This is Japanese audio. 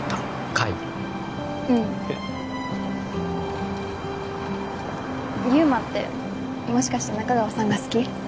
海うん祐馬ってもしかして仲川さんが好き？